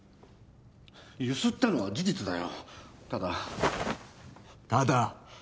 ゆすったのは事実だよただただ？